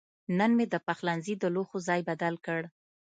نن مې د پخلنځي د لوښو ځای بدل کړ.